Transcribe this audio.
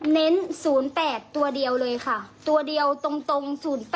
เน้น๐๘ตัวเดียวเลยค่ะตัวเดียวตรง๐๘